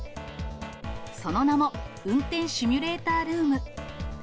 その名も、運転シミュレータールーム。